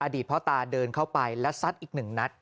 พ่อตาเดินเข้าไปและซัดอีกหนึ่งนัด